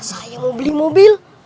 saya mau beli mobil